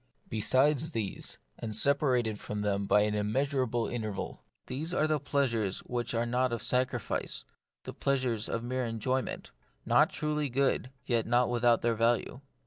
Besides these, and separated from them by an immeasurable interval, there are the plea sures which are not of sacrifice, the pleasures of mere enjoyment : not truly good, yet not without their value.